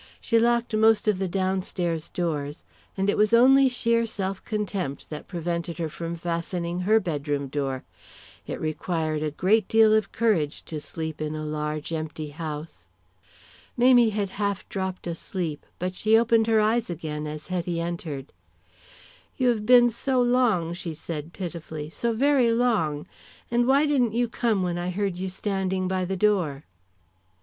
She locked most of the downstairs doors, and it was only sheer self contempt that prevented her from fastening her bedroom door. It required a deal of courage to sleep in a large, empty house. Mamie had half dropped asleep, but she opened her eyes again as Hetty entered. "You have been so long," she said, pitifully, "so very long. And why didn't you come when I heard you standing by the door."